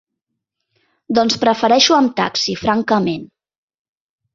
Doncs prefereixo amb taxi francament.